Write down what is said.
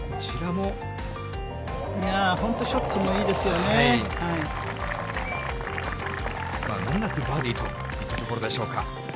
もれなくバーディーといったところでしょうか。